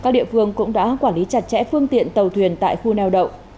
các địa phương cũng đã quản lý chặt chẽ phương tiện tàu thuyền tại khu neo đậu